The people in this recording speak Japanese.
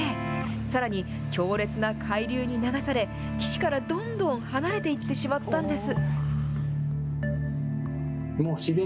さらに、強烈な海流に流され、岸からどんどん離れていってしまったんです。